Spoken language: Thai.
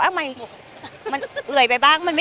เนื้อหาดีกว่าน่ะเนื้อหาดีกว่าน่ะ